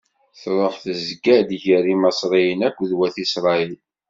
Tṛuḥ tezga-d gar Imaṣriyen akked wat Isṛayil.